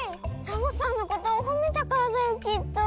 サボさんのことをほめたからだよきっと。